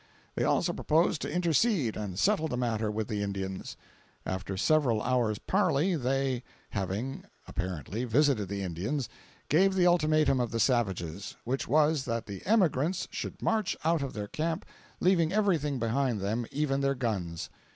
They also proposed to intercede and settle the matter with the Indians. After several hours parley they, having (apparently) visited the Indians, gave the ultimatum of the savages; which was, that the emigrants should march out of their camp, leaving everything behind them, even their guns.